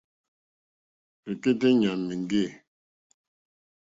Rzɛ̀kɛ́tɛ́ ɲàmà èŋɡê.